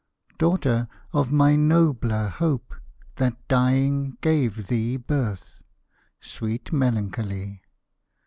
Daughter of my nobler hope That dying gave thee birth, Sweet Melancholy!